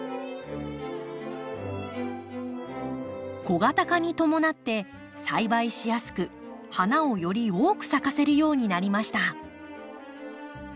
小型化に伴って栽培しやすく花をより多く咲かせるようになりました。